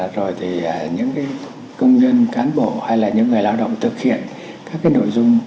rồi thì những công nhân cán bộ hay là những người lao động thực hiện các cái nội dung